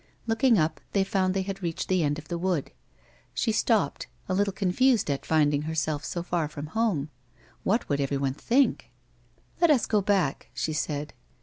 Looking up they found they had reached the end of the wood. She stopped, a little confused at finding herself so far from home ; what would everyone think ?" Let us go back," she said.